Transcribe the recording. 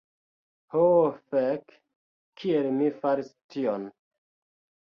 "Ho fek' kiel mi faris tion"